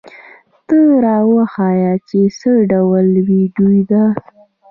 ته را وښیه چې څه ډول ویډیو ده؟